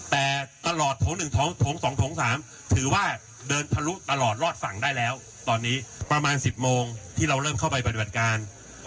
แต่ตลอดโถง๑โถง๒โถง๓ถือว่าเดินทะลุตลอดรอดฝั่งได้แล้วตอนนี้ประมาณ๑๐โมงที่เราเริ่มเข้าไปปฏิบัติการ